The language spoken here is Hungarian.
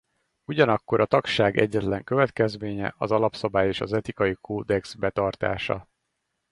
Ugyanakkor a tagság egyetlen következménye az Alapszabály és az Etikai kódex betartása.